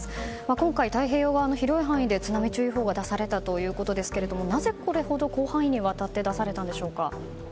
今回、太平洋側の広い範囲で津波注意報が出されたということですがなぜこれほど広範囲にわたって出されたんでしょうか。